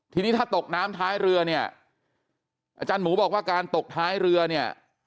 ทีนี้ถ้าตกน้ำท้ายเรือเนี่ยอาจารย์หมูบอกว่าการตกท้ายเรือเนี่ย